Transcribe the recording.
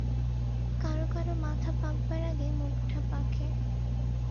কারো কারো মাথা পাকবার আগে মুখটা পাকে।